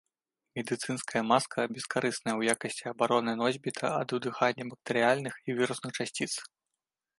Медыцынская маска бескарысная ў якасці абароны носьбіта ад удыхання бактэрыяльных і вірусных часціц.